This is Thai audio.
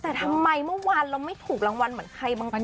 แต่ทำไมเมื่อวานเราไม่ถูกรางวัลเหมือนใครบางคน